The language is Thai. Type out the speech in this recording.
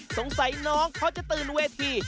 สงสัยน้องเขาจะตื่นเวที